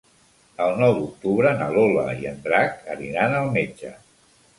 El nou d'octubre na Lola i en Drac aniran al metge.